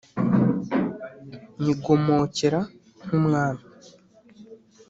Nyigomokera nk’ Umwami